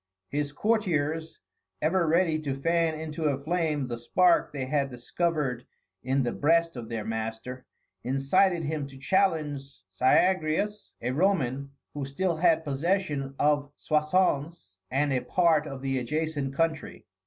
His courtiers, ever ready to fan into a flame the spark they had discovered in the breast of their master, incited him to challenge Syagrius, a Roman who still had possession of Soissons and a part of the adjacent country.